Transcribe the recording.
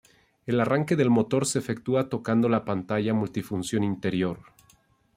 El arranque del motor se efectúa tocando la pantalla multifunción interior.